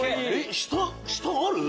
下ある？